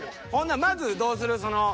ほんならまずどうする？